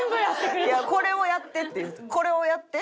いやこれをやってっていうこれをやって。